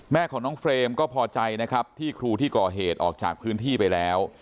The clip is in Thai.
แม่ของน้องเฟรมก็พอใจนะครับที่ครูที่ก่อเหตุออกจากพื้นที่ไปแล้ว